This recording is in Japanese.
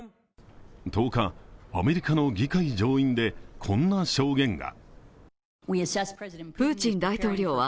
１０日、アメリカの議会上院でこんな証言が。